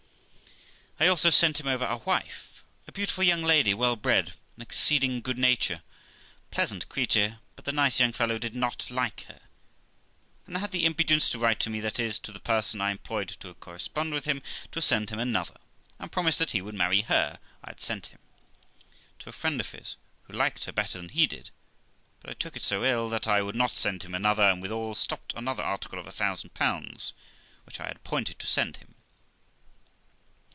I also sent him over a wife, a beautiful young lady, well bred, an ex ceeding good natured, pleasant creature ; but the nice young fellow did not 350 THE LIFE OF ROXANA like her, and had the impudence to write to me, that Is, to the person I employed to correspond with him, to send him another, and promised that he would marry her I had sent him, to a friend of his, who liked her better than he did; but I took it so ill, that I would not send him another, and withal, stopped another article of , 1000 which I had ap pointed to send him.